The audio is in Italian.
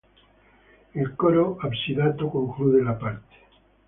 Il coro absidato conclude la parte.